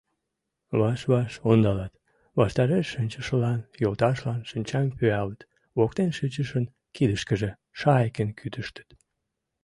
Ваш-ваш ондалат: ваштареш шинчышылан, йолташлан, шинчам пӱялыт, воктен шинчышын кидышкыже шайыкын кӱтыштыт.